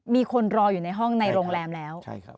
มีคนรออยู่ในห้องในโรงแรมแล้ว